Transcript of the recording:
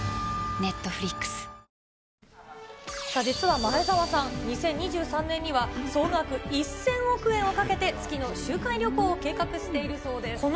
実は前澤さん、２０２３年には、総額１０００億円をかけて、月の周回旅行を計画しているそうです。